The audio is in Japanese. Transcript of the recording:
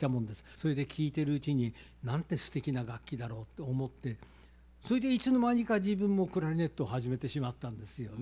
それで聴いてるうちになんてすてきな楽器だろうと思ってそれでいつの間にか自分もクラリネットを始めてしまったんですよね。